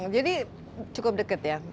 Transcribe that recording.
jadi cukup deket ya